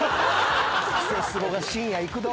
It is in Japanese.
『クセスゴ』が深夜いくど。